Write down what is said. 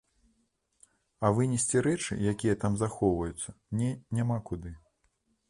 А вынесці рэчы, якія там захоўваюцца, мне няма куды.